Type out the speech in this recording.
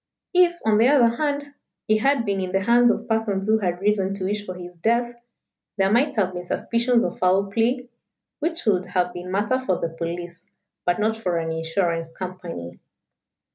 If, on the other hand, he had been in the hands of persons who had reason to wish for his death, there might have been suspicions of foul play, which would have been matter for the police but not for an insurance company."